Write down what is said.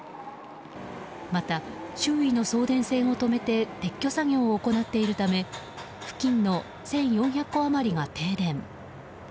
また、周囲の送電線を止めて撤去作業を行っているため付近の１４００戸余りが停電。